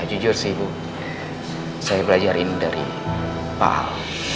jujur sih bu saya belajar ini dari pak ahok